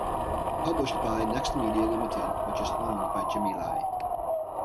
Published by Next Media Limited which is owned by Jimmy Lai.